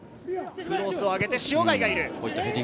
クロスを上げて塩貝がいる。